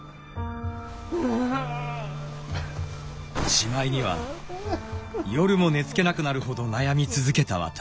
しまいには夜も寝つけなくなるほど悩み続けた私。